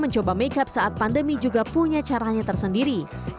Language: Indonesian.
coba make up saat pandemi juga punya caranya tersendiri